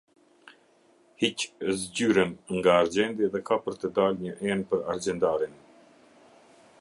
Hiq zgjyrën nga argjendi dhe ka për të dalë një enë për argjendarin.